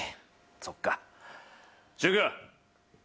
そっか。